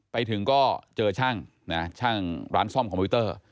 ไปถึงก็เจอร้านซ่อมคอมพิวเตอร์